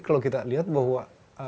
kalau kita lihat bahwa